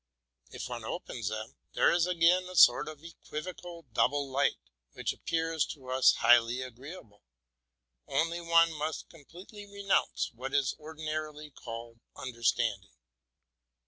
If one opens them, there is again a sort of equivocal double light, which appears to us highly agreeable: only one must completely renounce what is ordinarily called understanding.